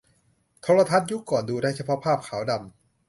โทรทัศน์ยุคก่อนดูได้เฉพาะภาพขาวดำ